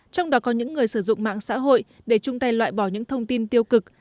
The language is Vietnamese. trong đó có những người sử dụng mạng xã hội để chung tay loại bỏ những thông tin tiêu cực